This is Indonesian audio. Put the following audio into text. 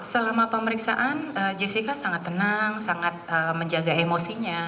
selama pemeriksaan jessica sangat tenang sangat menjaga emosinya